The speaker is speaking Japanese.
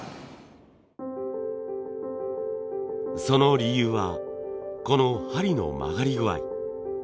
その理由はこの針の曲がり具合。